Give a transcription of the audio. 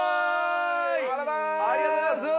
ありがとうございます！